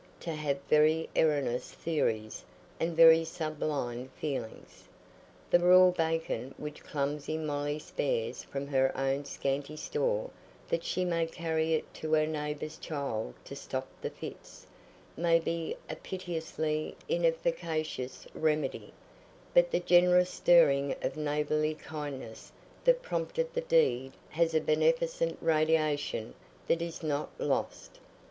—to have very erroneous theories and very sublime feelings. The raw bacon which clumsy Molly spares from her own scanty store that she may carry it to her neighbour's child to "stop the fits," may be a piteously inefficacious remedy; but the generous stirring of neighbourly kindness that prompted the deed has a beneficent radiation that is not lost.